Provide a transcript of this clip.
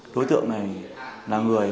đối tượng này là người